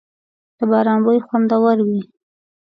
• د باران بوی خوندور وي.